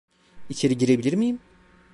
İçeri girebilir miyim?